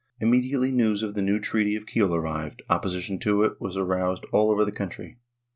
Immediately news of the new treaty of Kiel arrived, opposition to it was aroused all over the country.